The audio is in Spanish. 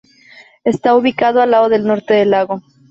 Está ubicado al lado norte del lago.